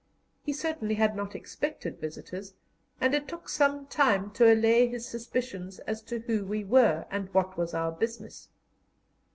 He certainly had not expected visitors, and it took some time to allay his suspicions as to who we were and what was our business.